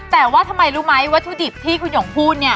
แต่ว่าทำไมรู้ไหมวัตถุดิบที่คุณหยงพูดเนี่ย